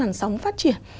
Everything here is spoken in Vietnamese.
các làn sóng phát triển